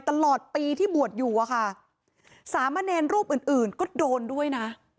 ตลอดปีที่บวชอยู่อะค่ะสามเณรรูปอื่นอื่นก็โดนด้วยนะ